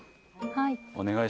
はい。